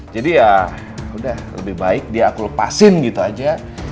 jadi ya udah lebih baik dia aku lepasin gitu aja